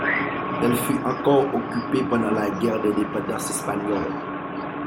Elle fut encore occupée pendant la Guerre d'indépendance espagnole.